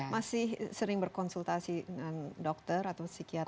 masih sering berkonsultasi dengan dokter atau psikiater